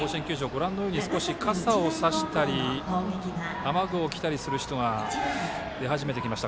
ご覧のように傘を差したり雨具を着たりする人が出始めてきました。